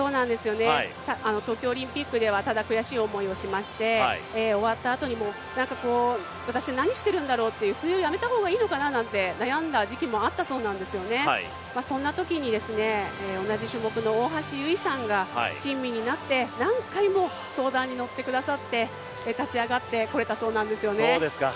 東京オリンピックではただ悔しい思いをしまして終わったあとに私何してるんだろう水泳、やめた方がいいのかなって悩んだ時期もあったそうなんですよね、そんなときに大橋悠依さんが、親身になって何回も相談に乗ってくださって立ち上がってこれたそうなんですよね。